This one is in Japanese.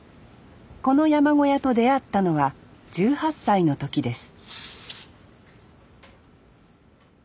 この山小屋と出会ったのは１８歳の時です